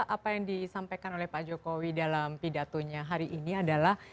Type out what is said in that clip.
apa yang disampaikan oleh pak jokowi dalam pidatonya hari ini adalah